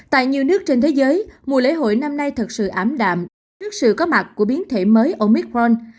tại nhiều nước trên thế giới mùa lễ hội năm nay thật sự ảm đạm trước sự có mặt của biến thể mới omithfron